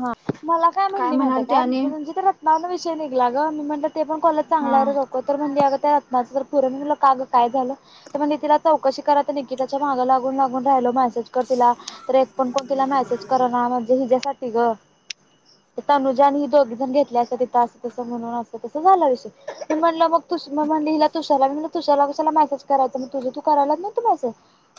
हां मला काय म्हटली माहित म्हणाल ते काय आणि म्हणजे नां विषयन निगला ग मी म्हटलं ते पण कोलत हा चांगला आहे रको तरणे रत्नाचं पुर काग काय झालं तर मग तिला चौकशी कराय निकिताच्या माग लागून लागून राहिलो मा मज कर तीला तर एक पण कोण तिला मेसेज कर ना म्हजे हिज्यासाठी ग तनुजानी ह दोघी जण घेतले अस तिथ अस तस म्हणून अस तस झाला विषय मी म्हणलं मग त तु म मनल हिला तूशाला मी मनल तूशाला [inaudible] त्याला मसेज करायचं मग तुझ तू कराला नवतो मेसेज.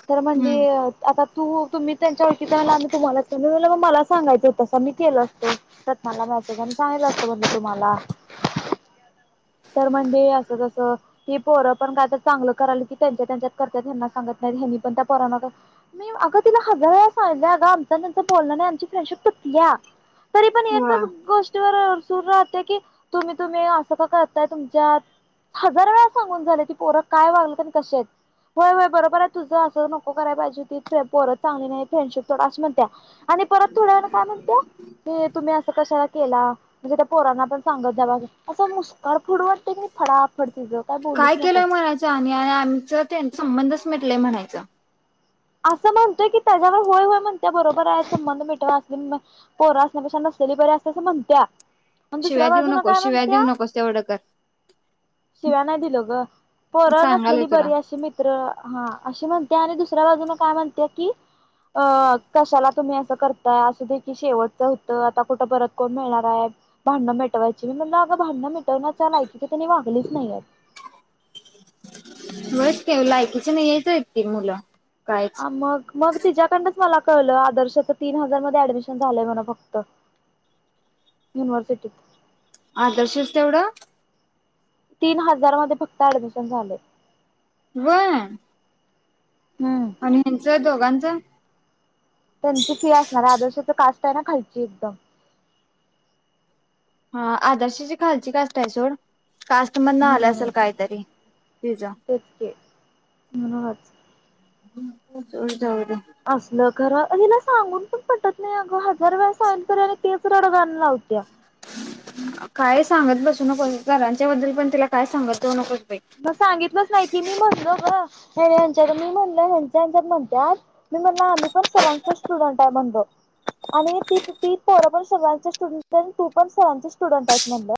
तर म्हणली हम्म आता तू तुम्ही त्यांच्यावरती जा आम्ही तुम्हाला मग मला सांगायचं. तू त मी केलं असतो रत्नाला मेसेज आणि सांगितल असतं म्हणज तुम्हाला तर म्हणली असं तसं ती पोरं पण काय तर चांगलं कराल की त्यांच्या त्यांच्यात करत्यात त्यांना सांगत नाहीत हेनी पण त्या पोरांना मी अगं तिला हजार वेळा सांगितलं अग आमच न त्यांच बोलण नाही आमची फ्रेंडशिप या तरी पण एकच वा गोष्टीवर, सुर राहते की तुम्ही तुम्ही असं का करताय तुमच्यात हजार वेळा सांगून झाले की पोर काय वागल कश होय होय बरोबर आहे तुझं अस नको कराय पाहिजे त पोरत चांगली नाही फ्रेंडशिप थोडा अस म्हणत्या आणि परत थोड्यावेळानं म्हणत्याय की तुम्ही असं कशाला केला, म्हणजे त्या पोरांना पण सांगत जावा असं मुस्काड फुडू वाटतय का नाही फडाफड तीज, काय केलंय म्हणायच आणि -आणि आमचा त्यांचा संबंधच म्हटलंय म्हणायचं. असं म्हणतोय की त्याच्यावर होय- होय म्हणत्या बरोबर आहे संबंध मिटव अस- पोरं असण्यापेक्षा नसलेली बर असल्या असं म्हणत्या. मण शिव्या दुसऱ्या देऊ बाजून नको काय शिव्या देऊ म्हणत्या नकोस तेवढं कर [inaudible] शिव्या नाही दिलो ग पोरं सांगालोय नसलेली तुला बरी अशी मित्र हा अशी म्हण [unintelligible] दुसऱ्या बाजून काय म्हणत्या की, अं कशाला तुम्ही असं करताय असू दे की शेवटच होत, आता कुठं परत कोण मिळणाराय भांडणं मिटवायची. मी म्हण अगं भांडणं मिटवण्याच्या लायकीच तेनी वागलीच नाहीयेत. [unintelligible] ते लायकीच नाही [unintelligible] ती मुलं कायच आ मग -मग तिज्याकडनच मला कळलं आदर्शच तीन हजार मध्ये ऍडमिशन झालंय म्हण फक्त, [inaudible] युनिव्हर्सिटीत. आदर्शच तेवढं? [inaudible] तीन हजार मध्ये फक्त ऍडमिशन झालय. व्हय... हम्म आणि ह्यांच दोघांच? त्यांची फी असणार, आदर्शच कास त्यांना खालची एकदम [inaudible] हा आदर्शाची खालची कास्टय सोड, कास्टमधन आलं असल म्हणूनच काय तरी, तिझं. तेच की म्हणूनच [unintelligible] जाऊ दे [inaudible] खर आणि हिला सांगून पण पटत नाही, अगं हजार वेळा सांगितलं तरी आणि तेच रडगाण लावत्या. [inaudible] काय सांगत बसू नकोस सरांच्या बद्दल पण तिला काय सांगत जाऊ नकोस. बाई म सांगितलंच नाही की मी म्हणलो ग. हं यांच्यात मी म्हणल हेच्यांहेच्यांत म्हनत्यात मी म्हणलो, आम्ही पण सरांचे स्टुडंट आहे म्हणलो आणि ती- ती पोरा पण सरांचे स्टुडंट- तू पण सरांचे स्टुडंट आहेस म्हणलं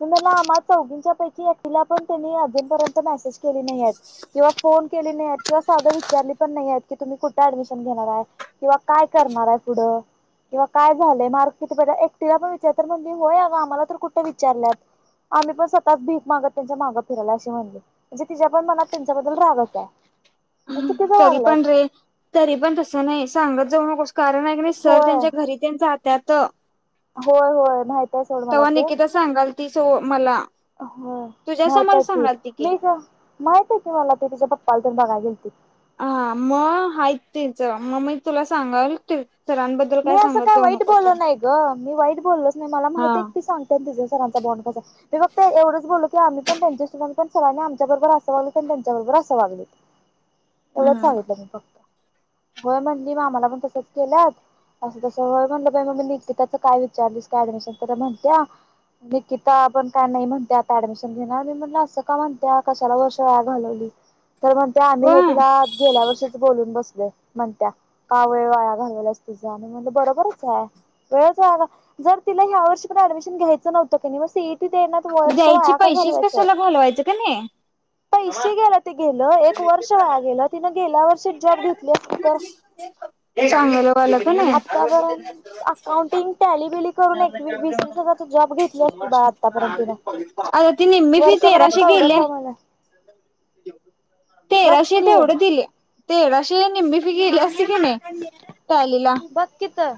मी म्हणलं आम्हा चौघींच्या पैकी एकिला पण त्यांनी अजून पर्यंत मेसेज केली नाहीयेत किंवा फोन केली नाहीयेत किंवा साध विचारली पण नाहीयेत की तुम्ही कुठे ऍडमिशन घेणार आहे किंवा काय करणारय पुढं किंवा काय झालंय मार्क किती एकटीला पण विचार म्हणज होय अगं आम्हाला तर कुठे विचारल्यात आम्ही पण स्वतःच भीक मागत त्यांच्या माग फिरला अशी म्हणली म्हणजे तिच्या पण मनात त्यांच्याबद्दल रागच हाय. तरी [inaudible] पण रे तरी- पण तस नाही सांगत जाऊ नकोस कारण हाय कनि नाही सर होय त्यांच्या घरी तेन जात त्या त होय -होय माहित आहे सोड मला ते ति सो मला होय तुझ्या माहित समोर आहे की, सांगाल ती मी- का माहित आहे की, मला ते तिच्या पप्पा आल तर बघाय गेलतितं हा म.. आहेत तेच म.. मी तुला सांगाल सरांबद्दल मी असं सांगत काय जाऊ वाईट नको सर बोलल नाही ग मी वाईट बोललच नाही मला हा माहित एकटी सांगते ना तिझ सरांचा बॉनंड कसा मी फक्त एवढंच बोललत की आम्ही पण त्यांच्यासब पण सगळांनी आमच्या बरोबर असं वागल आणि त्यांच्याबरोबर असं वागलित येवढं हम्म सांगितलं मी फक्त होय म्हंटली आमाला पण तसच केल्यात असं तस होय म्हणलं बाई मी निकिताच काय विचारलीस का ऍडमिशनच तर म्हणत्या निकिता आपण काय नाही म्हणते आता ऍडमिशन घेणार मी म्हणल असं का म्हणत्या कशाला वर्ष वया घालवली तर म्हणत्या व आम्ही हे तिला गेल्या वर्षीच बोलून बसलो म्हणत्या का वेळ वाया घालवला तुझा आणि म्हण बरोबरच हाय वेळच जर तिला ह्या वर्षी पण ऍडमिशन घ्यायचं नव्हतं मग सीई द्यायचे पैसेच कशाला भलवायच कनि पैसे गेलं ते एक वर्ष वया गेलं तिनं गेल्या वर्षी जॉब घेतली असती तर चांगलंवालं पण आहे. आतापर्यंत अकाउंटिंग टॅलीबिली करून एक वीस वस हजार जॉब घेतली असती बाळा आतापर्यंत तिला आता ती निम्मी फी वर्षभरात तेराशे कवडं केल्या. कमला तेराशे तेवढं दिले तेरा अशीे निमी फी गेली असती कणी बघ कि तर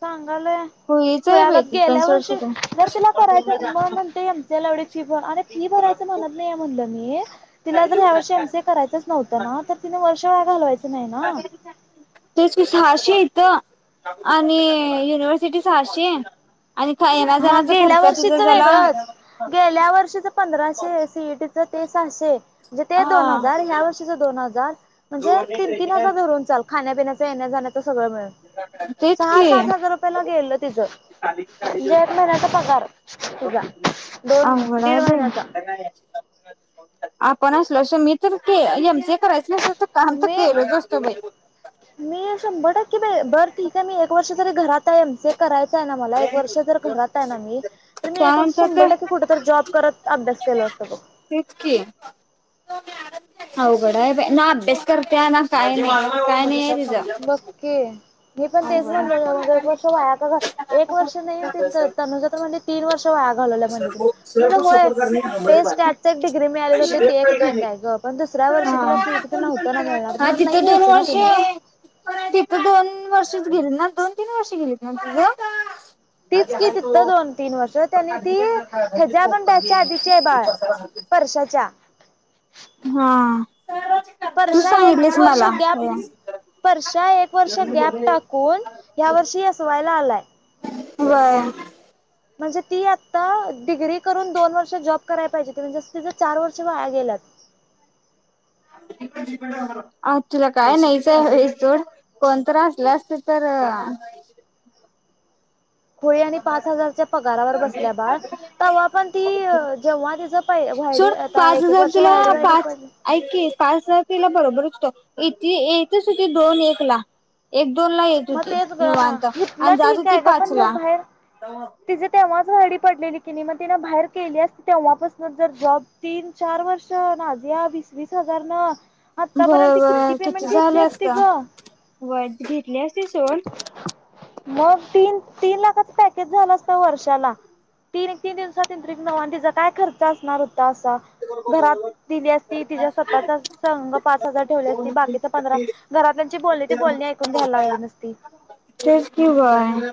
सांग म्ह खुळीच आहे बाई खुळ्यागत ती पण गेल्या सोड वर्षी तिकडं जर तिला करायचं मग म्हणते एमसीए ला एवढी फी भर अरे फी भरायच म्हणत नाहीये म्हणलं मी तिला जर ह्या वर्षी एमसी करायचच नव्हतं ना तर तिने वर्ष वाया घालवायच नाही ना छे इथं आणि युनिवर्स सिट सश हा गेल्या वर्षीच वेगळंच, गेल्या वर्षीच पधराशे च सीट तिचं ते सहाशे म्हणजे ते दोन हा हजार ह्या वर्षी दोनज हजार म्हणजे तीन तीन हजार धरून चाल खाण्यापिण्याचा येण्या-जाण्याचा. सगळं मिळेल, तेच सहा की सात हजार रुपयेला गेल तिचं. म्हणजे एक महिन्याचा पगार तुझा दोन अवघड दीड हाय महिन्याचा. बाई आपण असलो असं मी तर एम सी करायच नस काम तर मी केलं नसतो मी. मी शंभर टक्केे. बरं ठीक आहे मी एक वर्ष तरी घरात आहे एम सी ए करायच मला एक वर्ष जर घरात आहे, ना मी तर मी एक वर्ष त्यानंतर शंभर तर टक्के कुठ जॉब करत अभ्यास केल असत बघ. तेच की अवघड आहे बाई, अभ्यास करतय ना काय नाही काय बग तिचं की. मी पण हा तेच म्हणलो मग एक वर्ष वाया का? एक वर्ष नाही, त तनुज म्हणजे तीन वर्ष वाया घालवलं म्हणज ति म्हण होय ते स्टॅट एक डिग्री मिळाली होते. ते एक ठीक आहे ग पण दुसऱ्या वर्षी तिला सीटी तर नव्हतं ना मिळणार नाही घ्यायचं ना तिन पण तिथं दोन वर्ष च गेली ना दोन तीन वर्ष गेली ना तूझ? तीच की तिथतं दोन तीन वर्ष त्यांनी ती हेच्या पण त्याच्या आधीची आहे बाळ वर्षाच्या. हा तू वर्षा एक सांगितलीस वर्ष मला गॅप वर्षा एक वर्ष गॅप टाक. कोण. या वर्षी असवायला आलाय. व्हय. म्हणजे ती आता डिग्री करून दोन वर्ष जॉब करायला पाहिजे म्हणजे ति चार वर्ष वाया गेल्यात. आ तुला काय नाहीच आहे वेळ सोड कोणत असल्या असते तर खोळी आणि पाच हजारच्या पगारावर बसल्या बाळ तेव्हा पण ती जेव्हा तिच सोड पाच हजार तुला पाच पडली ऐक की पाच ह तीला बरोबरचत होतं इथे येतच होती दोन एक ला एक दोन ला येत मग होती तेच ग निवांत तितलं आणि जात ठीक होती आहे ग पाच पण जर ला बाहेर तिचेे तेव्हा वाय डी पडलेली कि नाही मग तिनं बाहेर केली असती तेव्हापासून जर जॉब तीन चार -वर्ष नाझिया वीस वीस हजार न व्हय आतापर्यंत व्हय पेमेंट किती घेतली झालं असत? असती ग वय घेतली असते [unintelligible] सन मग तीन तीन लाखाच पॅकेज झालं असत वर्षाला तीन एके तीन दिवसात नऊ तीचा काय खर्च असणार होता घरात दिली असती. तिच्या स्वतःचा संघ पाच हजार ठेवले असती. बाकीचा पंधरा घरात त्यांची बोलली ती बोलणी ऐकून घ्यायला लागली तेच की बाय.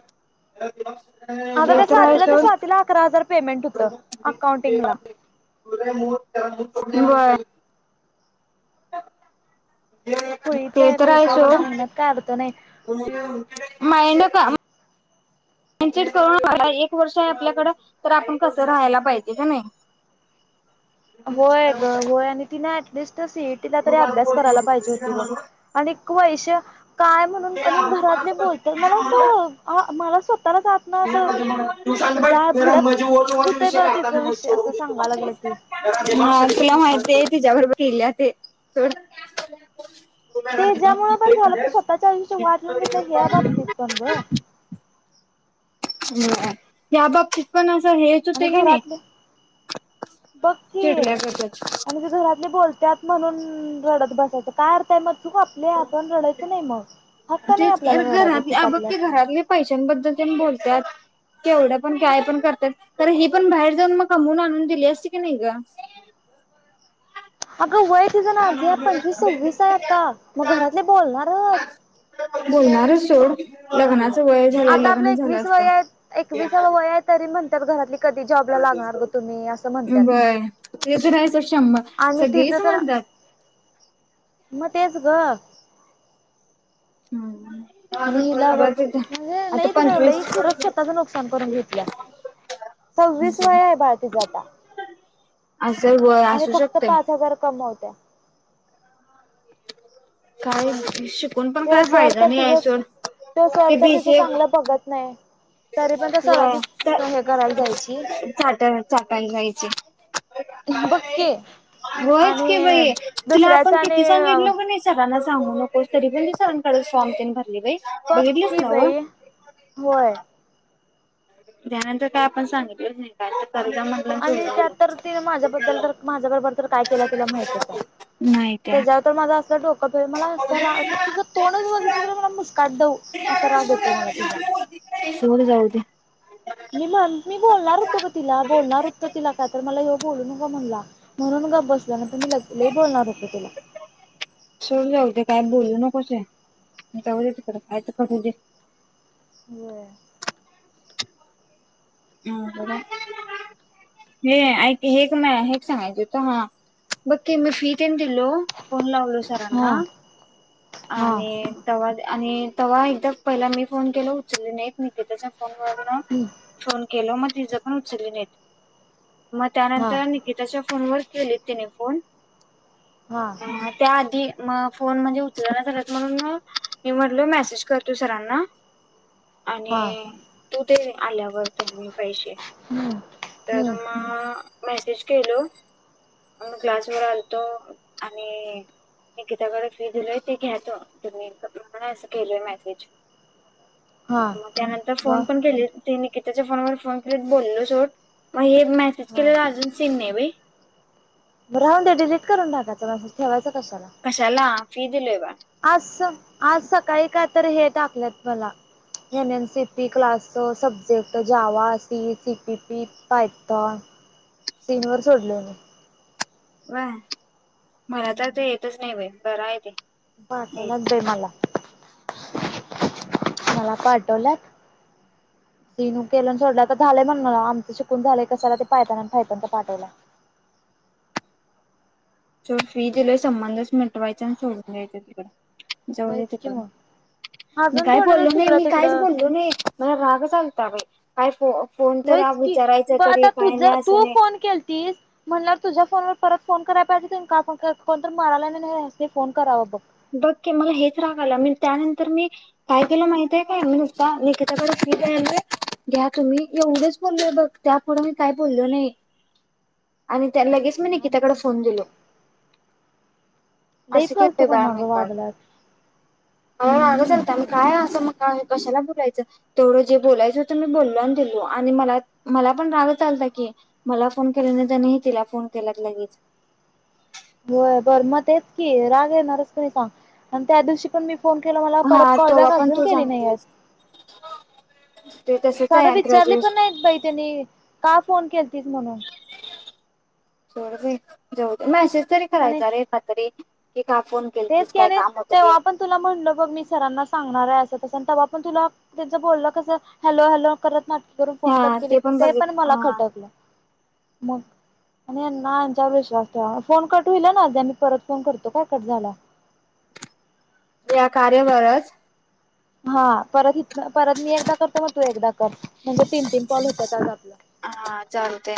[unintelligible] अग त्या आहे स्वातीला तर सोड स्वातीला अकरा हजार पेमेंट होतं अकाउंटिंगला. व्हय. खुळीच आहे बाई सोड सांगण्यात काय अर्थ नाही जे [unintelligible] करून एक वर्ष आहे, आपल्याकड तर आपण कस राहायला पाहिजे, कणी होय ग होय आणि ती नाही सीईटीला तरी अभ्यास करायला पाहिजे हो बघ आणि वैष्य काय म्हणून आणि घरातले बोलत्यात मला अस मला स्वतःलाच आतन [unintelligible] म असं तुला जाळ भडक होतय बघ तिचा विषय असं सांगा लागलं की माहिती आहेय तिच्या्याबरोबर केले [unintelligible] ते ज्यामुळ पण झालं पण स्वतःच्या आयष्या वाट लावून घेतलं हे या बाबतीत पण ग. या बाबतीत पण अस. आणि घरातले बघ की चिडल्या गतच आणि त घरातले बोलते. त्यात म्हणून रडत बसायचं काय अर्थ हाय मग चुक आपली हायं आपणं रडायचं नाही मग हक्क नाही तेच आपल्याला रडायचा चूक घरात बघ आपली ते असल्यावर. घरातले पैशांबद्दल तेन बोलत्यात. केवढं पण काय पण करत्यात. तर ही पण बाहेर जाऊन मग कमवून आणून दिली असती कीणै ग. अग व्हय. तिच ना [unintelligible] पंचवीस सव्वीस हाय आत्ता. मग घरातले बोलणारच. [unintelligible] आता आपलं लग्न झालं एकवीस असत वय हाय. एकविसाव वय हाय तरी म्हण तर घरातली कधी जॉबला लागणार ग [unintelligible] तुम्ही असं म्हणतात. व्हय ते तर हाय शंभर. आणि तिचं सगळीच तर म्हणत्यात. मग तेच ग. हूं आणि हिला बघ. म्हणजे लई मंजे पंचवीस लईच खरंच स्वतःच नुकसान करून घेतलीयास. सव्वीस वय हाय बाळ तुज आता. असं व्हय, असू शकतय. या. काय? [unintelligible] तो सर फायदा तर नाही आहे तुझ, सोड तो सर तर तुज चांगला बघत नाही. तरी पण त्या [unintelligible] सराची हे करायला जायची बघकी व्हयचं कि आणि बाई तिला दुसऱ्याच आपण आणि किती सांगितलो कनी स सांगू नको तरी [unintelligible] बघ बघितलीस की ना व बाई. होय. त्यानंतर काय आपण सांगितलंच नाही. काय कर - - आणि त्यात तर ति माझ्याबद्दल तर माझ्याकडे बर तर काय केलं तुला माहीतच आहे नाही त्या त्याच्यावर तर माझा - - असं डोकं - - मला असा रा असं तिचं तोडच बघितलं तर मला मुस्काट दवु - - [unintelligible] सोड जाऊ दे मी म्हण मी बोलणार होत ग तिला बोलणार होत तिला काय तर मला यो बोलू नको म्हणला म्हणून गप बसलो नाहि मी लई लई बोलणार होते तिला. सोड जाऊ दे काय बोलू नकोसे जाऊदे तिकडं काय तर करू [unintelligible] व्हय. ब हे ऐ हे म हे सांगायच होत हा बघ मी फी तेन [unintelligible] हॅलो फोन लावलो सरांना हा हा आणि तवा - - आणि तव्हा एकदा पहिला मी फोन केल उचली नाहीत. मी - - त त्याचा फोन वर्ण हम्म फोन केलं म [unintelligible] मग हा त्यानंतर निकिताच्या फोन व केले तिने फोन हा त्याआधी म फोन म्हणजे उच तु [unintelligible] सगत म्हणून म मी म्हटल मेसेज करतो सरांना हा आणि तू ते आल्यावर त्यांनी पैसे हम्म तर हम्म मग मेसेज केलो मी क्लासवर आलतो आणि निकिता कडे फी दिलेत ते घ्याच तुम्ही अस केलय मेसेज हा त्यानंतर ब फोन पण केले तनी की त्याच्या फोनवर फोन केलेत बोलायला छोड [unintelligible] हे मेसेज हा केलेला अजून सीन नाही व्हय चल आता ठेवाचं कशाला फी दिली बा आज आज सकाळी काय तर हे टाकलेत मला हे N N C P class subject Java C C P P Python सीन वर सोडले म व्हये मला तर ते येतच नाही बाई कराय ते [unintelligible] येत नाही ते मला मला पाठवलं सिनू केलं सोडला तर झालंय म्हण मला आमच शिकून झालंय कसला ते पाठवलं सो फी तिला संबंधच मिटवायचा आणि सोडून द्यायच तिकड जाऊन व्हयच येते की ब मग मी अजून काही थोडे बोललो दिवस नाही तिकडं मी काहीच तिकडं बोललो नाही मला रागच आलता बाई फय फो [unintelligible] होयच की विचारायचं तरी आता तुझ काय नाही तू असं नाही फोन केलतीस म्हणल्यावर तुझ्या फोनवर परत फोन कराय पाहिजे का कोणतरी मारालाय म्हनून ह्यासनीफोन करावा बघ बघ के मला हेच रागायला म त्यानंतर मी काय केलं माहतीय काय मता निकीताकडे फी द्यालोय घ्या तुम्ही एवढंच बोललोय बघ त्यापुढे मी काय बोललो नाही आणि त्या लगेच मी काय निकिता कडे नव्ह फोन दिलो लई असं केलोय बाळ फालतूपणा मी ग पण वागल्यात मला रागच हम्म आलता नव्ह काय असं मग काय कशाला बोलू मग मी पण तेवढं जे बोलायचत मी बोल दिलो आणि म मला पण राग चालता की मला फोन त्यांनी तिला फोन केल्यात लगेच क राग येणारच काने सांग आणि त्या दिवशी पण मी किती फोन केला मला परत हा कॉलबॅक तेव्हा पण अजून तू केली नाही सांगितलंस ते तसंच साध आहे विचारली ग्रॅज्युएशन पण नाही बाई त्यांनी का फोन केलतीस म्हणून [unintelligible] जाऊदे मॅसेज. तरी करायच आणि रे एकदा तरी. का फोन तेच केलतीस की काय आणि काम होतं ते तेव्हा पण तुला म्हणल बघ मी सरांना सांगणार आहे असं तस. तवा पन तुला त्याच बोलण कस हॅलो हॅलो करत करून हा फोन कट केली ते बघित पण मला हा खटकलं. मग आणिना यांच्यावर विश्वास ठेवा फोन कट होईल ना अ मी परत फोन करतो काय कट झाला. या कार्यावरच. हा परत इथ परत मी एकदा करतो मग तू एकदा. म्हणजे तीन तीन कॉल होतात आज आपलं. हा चालतंय